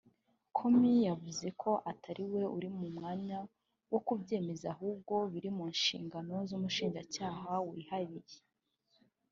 Comey yavuze ko atari we uri mu mwanya wo kubyemeza ahubwo biri mu nshingano z’umushinjacyaha wihariye